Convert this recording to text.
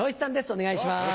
お願いします。